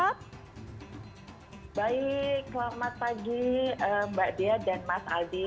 baik selamat pagi mbak dia dan mas adi